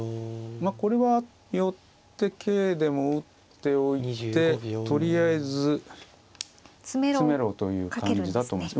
まあこれは寄って桂でも打っておいてとりあえず詰めろという感じだと思います。